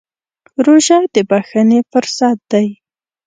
روژه د بښنې فرصت دی.